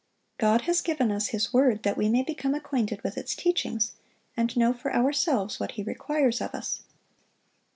God has given us His word that we may become acquainted with its teachings, and know for ourselves what He requires of us.